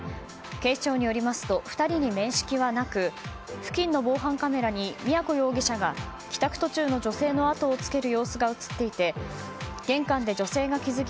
警視庁によりますと２人に面識はなく付近の防犯カメラに都容疑者が帰宅途中の女性の後をつける様子が映っていて玄関で女性が気付き